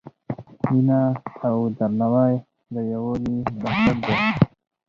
مینه او درناوی د یووالي بنسټ دی.